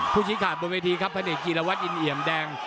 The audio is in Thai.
ผู้ชิ้นขาดบนเวทีครับพะเนศกีรวรรดิอินเหยียมแดง